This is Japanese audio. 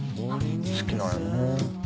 好きなんやな。